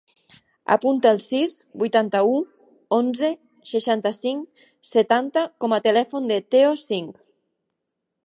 Apunta el sis, vuitanta-u, onze, seixanta-cinc, setanta com a telèfon del Teo Singh.